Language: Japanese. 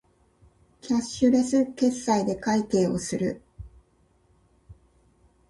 キャッシュレス決済で会計をする